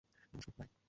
নমষ্কার, by.